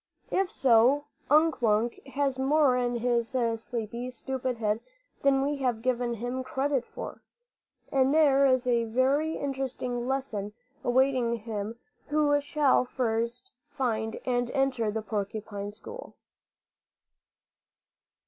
If so, Unk Wunk has more in his sleepy, stupid head than we have given him credit for, and there is a very interesting lesson awaiting him who shall first find and enter the porcupine school.